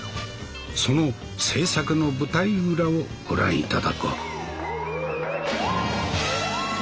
その制作の舞台裏をご覧頂こう。